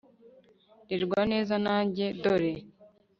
rerwa neza nanjye dore